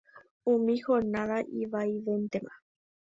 Umi jornada ivaivéntema.